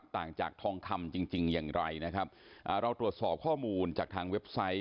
ต่างจากทองคำจริงจริงอย่างไรนะครับอ่าเราตรวจสอบข้อมูลจากทางเว็บไซต์